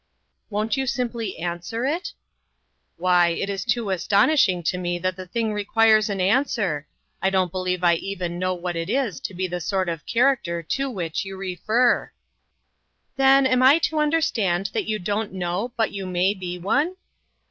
" Won't you simply answer it ?"" Why, it is too astonishing to me that the thing requires an answer! I don't be lieve I even know what it is to be the sort of character to which you refer." 168 LOGIC AND LABOR. 169 "Then, am I to understand that you don't know but you may be one?"